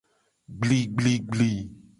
Gbligbligbli.